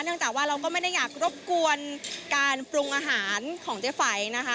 จากว่าเราก็ไม่ได้อยากรบกวนการปรุงอาหารของเจ๊ไฝนะคะ